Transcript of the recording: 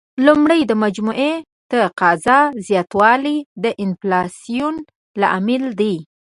لومړی: د مجموعي تقاضا زیاتوالی د انفلاسیون لامل دی.